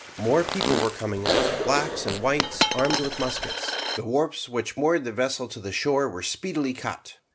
More people were coming up, blacks and whites, armed with muskets. The warps which moored the vessel to the shore were speedily cut.